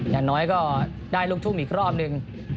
อย่างน้อยก็ได้ลูกทุ่งอีกรอบหนึ่ง